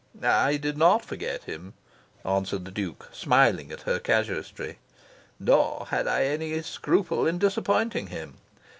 "I did not forget him," answered the Duke, smiling at her casuistry. "Nor had I any scruple in disappointing him.